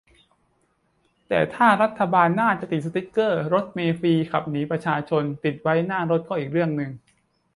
แต้ถ้ารัฐบาลหน้าจะตัดสติ๊กเกอร์ "รถเมล์ฟรี ขับหนีประชาชน" ติดไว้หน้ารถ ก็อีกเรื่องนึง